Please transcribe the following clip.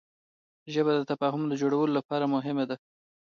ژبه د تفاهم د جوړولو لپاره مهمه ده